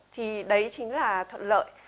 thì đấy chính là thuận lợi